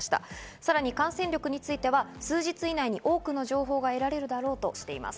さらに感染力については数日以内に多くの情報が得られるだろうとしています。